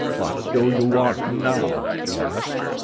"What do you want now?" he asked.